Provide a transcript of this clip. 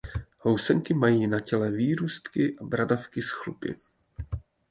Housenky mají na těle výrůstky a bradavky s chlupy.